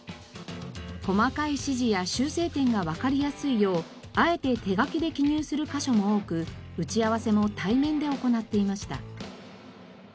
細かい指示や修正点がわかりやすいようあえて手書きで記入する箇所も多く打ち合わせも対面で行っていました。